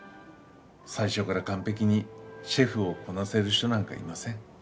最初から完璧にシェフをこなせる人なんかいません。